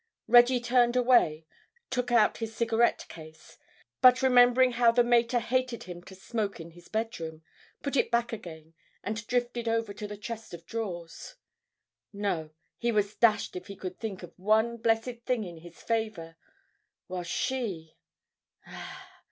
Reggie turned away, took out his cigarette case, but remembering how the mater hated him to smoke in his bedroom, put it back again and drifted over to the chest of drawers. No, he was dashed if he could think of one blessed thing in his favour, while she....